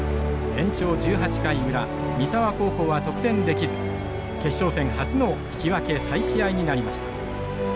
延長１８回裏三沢高校は得点できず決勝戦初の引き分け再試合になりました。